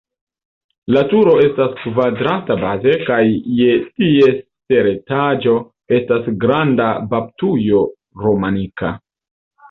La turo estas kvadrata baze kaj je ties teretaĝo estas granda baptujo romanika.